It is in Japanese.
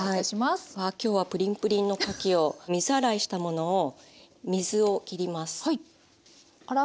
わ今日はプリンプリンのかきを水洗いしたものを水を切ります。